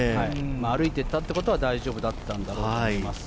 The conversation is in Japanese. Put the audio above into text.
歩いていったということは大丈夫だったんだろうと。